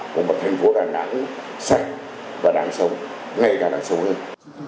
một thành phố đà nẵng sạch và đáng sống ngay cả đáng sống hơn